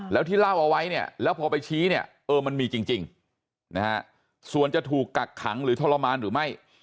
แล้วที่เล่าเอาไว้เนี่ยแล้วพอไปชี้เนี่ยเออมันมีจริงนะฮะส่วนจะถูกกักขังหรือทรมานหรือไม่